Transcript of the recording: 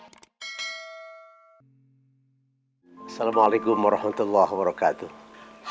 assalamualaikum warahmatullahi wabarakatuh